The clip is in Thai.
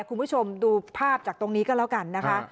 คุณผู้ชมดูภาพจากตรงนี้ก็แล้วกันนะคะ